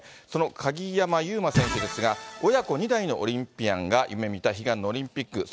その鍵山優真選手ですが、親子２代のオリンピアンが夢みた悲願のオリンピック。